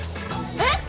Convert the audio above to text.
えっ？